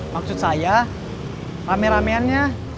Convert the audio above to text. maksud saya rame ramenya